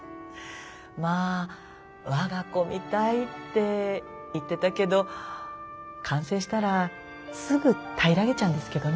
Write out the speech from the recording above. まあ我が子みたいって言ってたけど完成したらすぐ平らげちゃうんですけどね。